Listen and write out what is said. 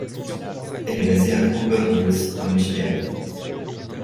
Elle est basée à Auburn Hills dans le Michigan.